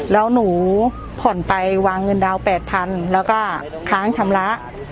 แล้วหนูผ่อนไปวางเงินดาวน๘๐๐๐แล้วก็ค้างชำระ